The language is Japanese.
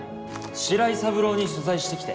白井三郎に取材してきて。